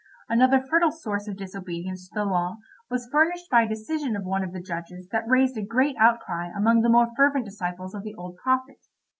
Another fertile source of disobedience to the law was furnished by a decision of one of the judges that raised a great outcry among the more fervent disciples of the old prophet.